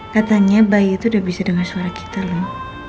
katanya bayi itu udah bisa dengar suara kita loh